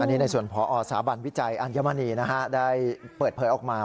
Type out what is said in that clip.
อันนี้ในส่วนพอสถาบันวิจัยอัญมณีได้เปิดเผยออกมา